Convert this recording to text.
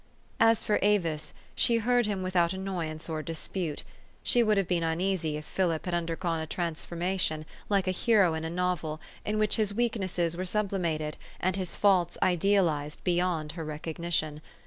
As for Avis, she heard him without annoyance or dispute. She would have been uneasy if Philip had undergone a transfiguration, like a hero in a novel, in which his weaknesses were sublimated, and his faults idealized beyond her recognition.